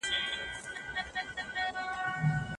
په لاس لیکل د زده کوونکو د راتلونکي تضمین دی.